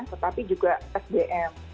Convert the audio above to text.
tetapi juga sdm